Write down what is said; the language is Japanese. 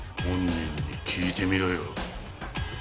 本人に聞いてみろよ。